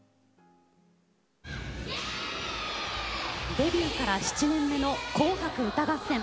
デビューから７年目の「紅白歌合戦」。